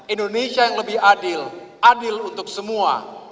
indonesia yang lebih adil adil untuk semua